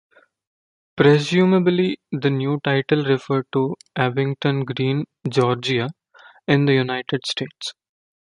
Presumably the new title referred to Abington Green, Georgia, in the United States.